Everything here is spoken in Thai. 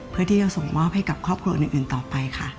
เพื่อที่จะส่งมอบให้กับครอบครัวอื่นต่อไปค่ะ